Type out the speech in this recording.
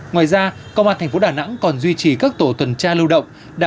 ngoài ra công an thành phố đà nẵng còn duy trì các tổ tuần tra lưu động